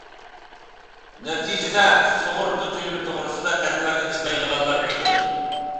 نەتىجىدە، سۇغۇرتا تۆلىمى توغرىسىدا ئەنۋەرنى ئىزدەيدىغانلار كۆپەيدى.